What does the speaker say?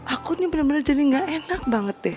aku ini bener bener jadi gak enak banget deh